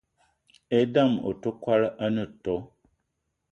E'dam ote kwolo ene too